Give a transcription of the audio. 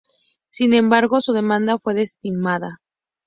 Sin embargo, su demanda fue desestimada.